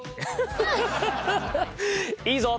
いいぞ！